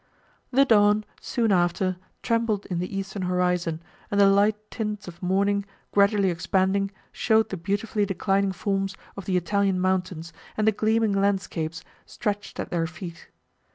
The dawn, soon after, trembled in the eastern horizon, and the light tints of morning, gradually expanding, showed the beautifully declining forms of the Italian mountains and the gleaming landscapes, stretched at their feet.